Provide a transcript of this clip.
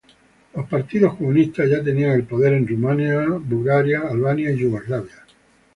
Los partidos comunistas ya tenían el poder en Rumania, Bulgaria, Albania, y Yugoslavia.